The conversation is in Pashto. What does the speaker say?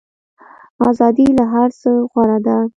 ازادي له هر څه غوره ده.